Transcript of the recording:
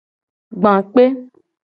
Gba kpe.